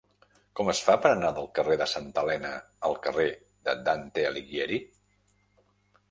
Com es fa per anar del carrer de Santa Elena al carrer de Dante Alighieri?